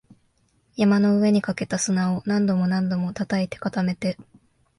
山の上にかけた砂を何度も何度も叩いて、固めて